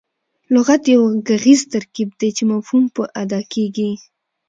لغت یو ږغیز ترکیب دئ، چي مفهوم په اداء کیږي.